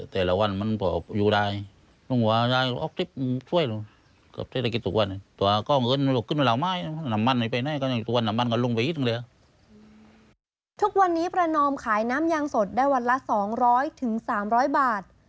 ทุกวันนี้ประนอมขายน้ำยางสดได้วันละ๒๐๐๓๐๐บาท